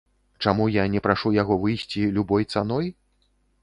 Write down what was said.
Чаму я не прашу яго выйсці любой цаной?